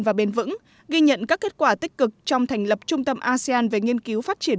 và bền vững ghi nhận các kết quả tích cực trong thành lập trung tâm asean về nghiên cứu phát triển